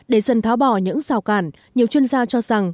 để dần tháo bỏ những rào cản nhiều chuyên gia cho rằng